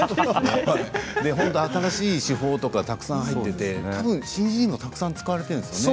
新しい手法とかたくさん入っていてたぶんＣＧもたくさん使われているんですよね。